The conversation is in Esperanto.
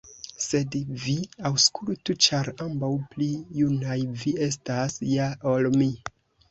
Sed vi aŭskultu, ĉar ambaŭ pli junaj vi estas ja ol mi.